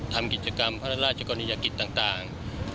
ทำกิจกรรมพระราชกรณียกิจต่าง